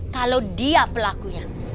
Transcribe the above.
kalau dia pelakunya